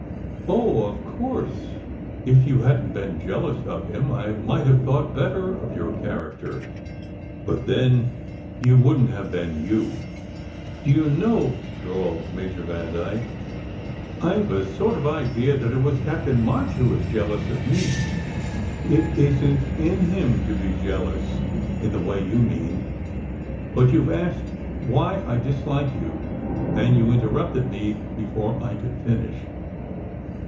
"Oh, of course, if you hadn t been jealous of him, I might have thought better of your character. But then, you wouldn t have been you." "D you know," drawled Major Vandyke, "I ve a sort of idea that it was Captain March who was jealous of me!" "It isn t in him to be jealous, in the way you mean. But you ve asked why I dislike you, and you inter rupted me before I could finish.